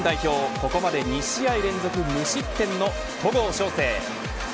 ここまで２試合連続無失点の戸郷翔征。